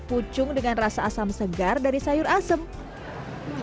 pucung dengan rasa asam segar dari sayur asem sayur asm khas betawi ini membuat berarti saya rasa lebih